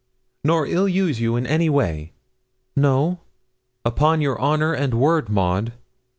'Nor ill use you in any way?' 'No.' 'Upon your honour and word, Maud?'